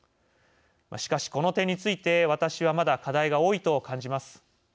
しかし、この点について私はまだ課題が多いと感じます。